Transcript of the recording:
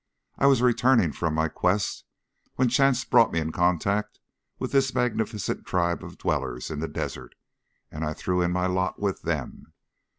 I was returning from my quest when chance brought me in contact with this magnificent tribe of dwellers in the desert, and I threw in my lot with them.